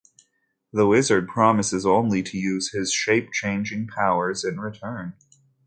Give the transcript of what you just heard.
The wizard promises to only use his shape-changing powers in return.